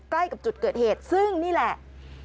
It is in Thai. ใกล้กับจุดเกิดเหตุซึ่งนี่แหละ